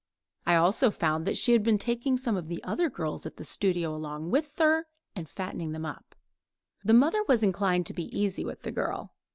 I also found out that she had been taking some of the other girls at the studio along with her, fattening them up. The mother was inclined to be easy with the girl.